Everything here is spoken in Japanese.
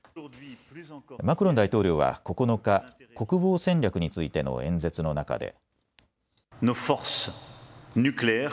マクロン大統領は９日、国防戦略についての演説の中で。